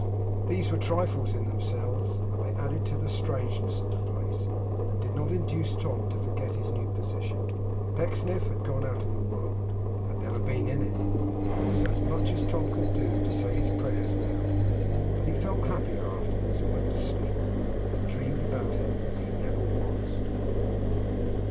These were trifles in themselves, but they added to the strangeness of the place, and did not induce Tom to forget his new position. Pecksniff had gone out of the world had never been in it and it was as much as Tom could do to say his prayers without him. But he felt happier afterwards, and went to sleep, and dreamed about him as he Never Was.